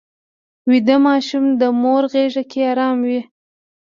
ویده ماشوم د مور غېږ کې ارام وي